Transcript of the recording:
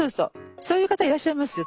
そういう方いらっしゃいますよ。